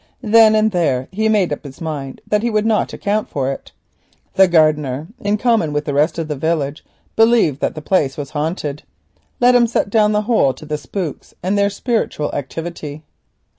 Then and there he made up his mind that he would not account for it. The gardener, in common with the rest of the village, believed that the place was haunted. Let him set down the hole to the "spooks" and their spiritual activity.